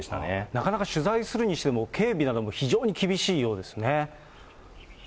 なかなか取材するにしても、警備なども非常に厳しいようですね。